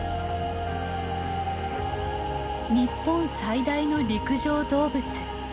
日本最大の陸上動物。